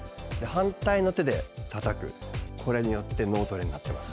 反対の手でたたく、これによって脳トレになっています。